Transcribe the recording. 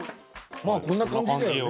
まあこんな感じだよね。